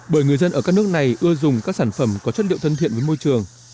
bởi người dân ở các nước này ưa dùng các sản phẩm có chất liệu thân thiện với môi trường